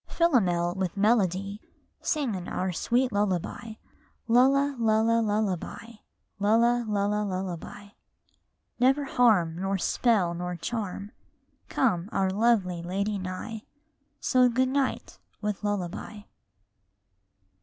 Chorus Philomel with melody Sing in our sweet lullaby; [781 RAINBOW GOLD Lulla, lulla, lullaby; lulla, lulla, lullaby! Never harm, nor spell, nor charm, Come our lovely lady nigh ! So good night, with lullaby.